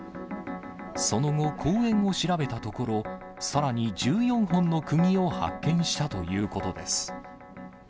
その後、公園を調べたところ、さらに１４本のくぎを発見したということです。